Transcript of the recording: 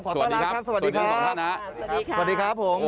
ขอต้อนรับครับสวัสดีครับสวัสดีครับสวัสดีครับสวัสดีครับสวัสดีครับ